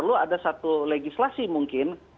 lalu ada satu legislasi mungkin